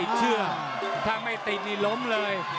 ติดเสื้อถ้ามันไม่ติดนี่ล้มเลย